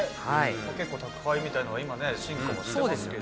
結構宅配みたいなのは今進化もしてますけど。